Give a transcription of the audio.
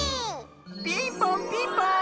ピンポンピンポーン！